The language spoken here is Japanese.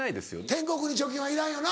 天国に貯金はいらんよな。